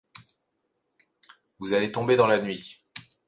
Vous allez tomber dans la nuit !